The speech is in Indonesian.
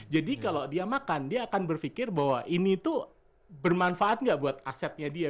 jadi kalau dia makan dia akan berpikir bahwa ini tuh bermanfaat gak buat asetnya dia